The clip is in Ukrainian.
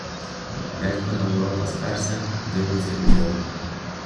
Дядько на ворота сперся, дивиться любовно.